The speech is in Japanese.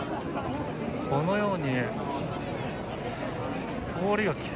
このように。